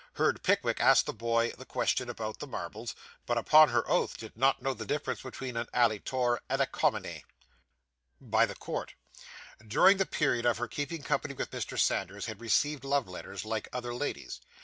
Heard Pickwick ask the boy the question about the marbles, but upon her oath did not know the difference between an 'alley tor' and a 'commoney.' By the court. During the period of her keeping company with Mr. Sanders, had received love letters, like other ladies.